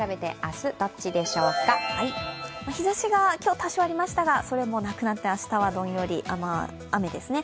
日ざしが今日多少ありましたが、それもなくなって明日はどんより、雨ですね。